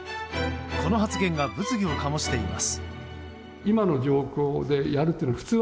この発言が物議を醸しています。